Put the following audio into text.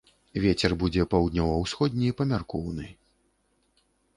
Вецер будзе паўднёва-усходні, памяркоўны.